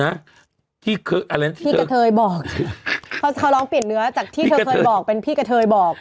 อะไรที่กระเทยบอกเพราะเขาร้องเปลี่ยนเนื้อจากที่เธอเคยบอกเป็นพี่กระเทยบอก